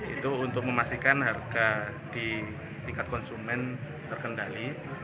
itu untuk memastikan harga di tingkat konsumen terkendali